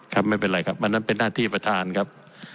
ครับไม่เป็นไรครับอันนั้นเป็นหน้าที่ประธานครับ